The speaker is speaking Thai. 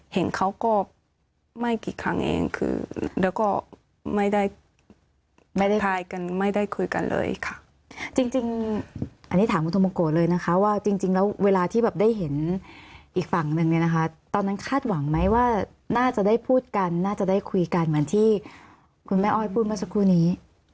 เห็นเขาก็ไม่กี่ครั้งเองคือแล้วก็ไม่ได้ไม่ได้คุยกันไม่ได้คุยกันเลยค่ะจริงจริงอันนี้ถามคุณธมงโกะเลยนะคะว่าจริงแล้วเวลาที่แบบได้เห็นอีกฝั่งนึงเนี่ยนะคะตอนนั้นคาดหวังไหมว่าน่าจะได้พูดกันน่าจะได้คุยกันเหมือนที่คุณแม่อ้อยพูดเมื่อสักครู่นี้